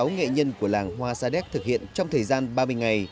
sáu nghệ nhân của làng hoa sa đéc thực hiện trong thời gian ba mươi ngày